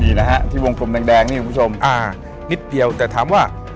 นี่นะฮะที่วงกลมแดงนี่คุณผู้ชมอ่านิดเดียวแต่ถามว่า